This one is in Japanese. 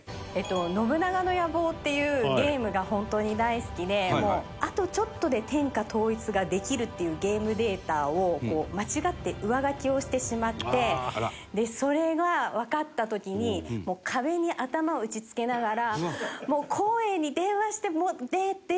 『信長の野望』っていうゲームが本当に大好きでもうあとちょっとで天下統一ができるっていうゲームデータを間違って上書きをしてしまってそれがわかった時に。ぐらいの事をずっと言われて。